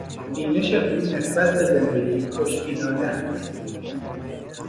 بینش او نسبت به زندگی خوشبینانه است.